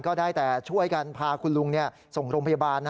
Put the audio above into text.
ก็ได้แต่ช่วยกันพาคุณลุงส่งโรงพยาบาล